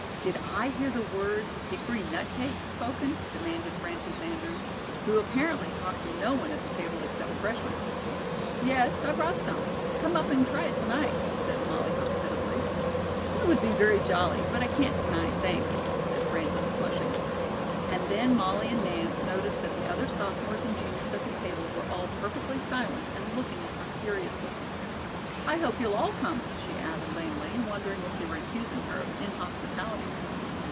"Did I hear the words 'hickory nut cake' spoken?" demanded Frances Andrews, who apparently talked to no one at the table except freshmen. "Yes, I brought some. Come up and try it to night," said Molly hospitably. "That would be very jolly, but I can't to night, thanks," said Frances, flushing. And then Molly and Nance noticed that the other sophomores and juniors at the table were all perfectly silent and looking at her curiously. "I hope you'll all come," she added lamely, wondering if they were accusing her of inhospitality.